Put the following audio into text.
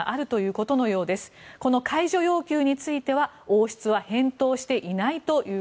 この解除要求については王室は返答していません。